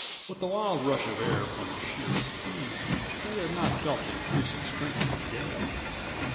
With the wild rush of air from sheer speed, they had not felt the increasing strength of the gale.